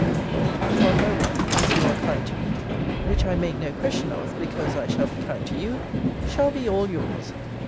These, one by one, as you are kind to me, (which I make no question of, because I shall be kind to you,) shall be all yours.